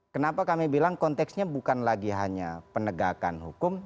kenapa kami bilang konteksnya bukan lagi hanya penegakan hukum